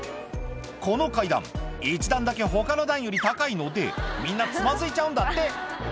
この階段１段だけ他の段より高いのでみんなつまずいちゃうんだって